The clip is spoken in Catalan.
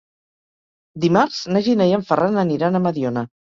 Dimarts na Gina i en Ferran aniran a Mediona.